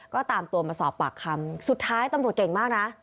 ก็ตามตัวมาสอบปากคำสุดท้ายตำรวจเก่งมากนะ